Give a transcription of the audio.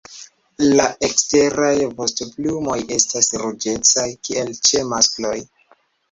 La eksteraj vostoplumoj estas ruĝecaj, kiel ĉe maskloj.